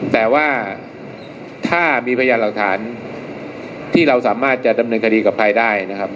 แต่ว่าถ้ามีพยานหลักฐานที่เราสามารถจะดำเนินคดีกับใครได้นะครับ